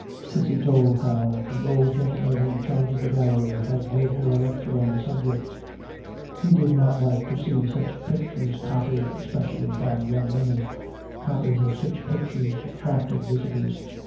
Cissy told how the old gentleman in charge of the gallery had read her a lecture on the subject. He did not like to see such pictures copied, especially by young women. Copies of such pictures attracted visitors.